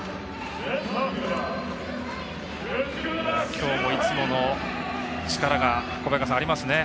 きょうもいつもの力がありますね